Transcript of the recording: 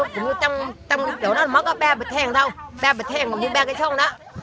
cũng như trong chỗ đó nó có ba bạch thang thôi ba bạch thang cũng như ba cái sông đó